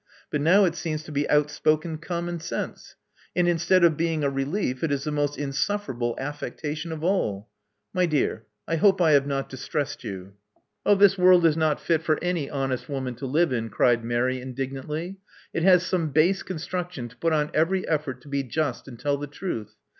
But now it seems to be outspoken common sense; and instead of being a relief, it is the most insufferable affecta tion of all. My dear: I hope I have not distressed you." Love Among the Artists 235 Oh, this world is not fit for any honest woman to live in, cried Mary, indignantly. It has some base construction to put on every effort to be just and tell the truth.